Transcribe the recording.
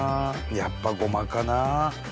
やっぱごまかな